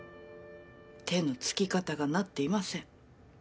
手のつき方がなっていません。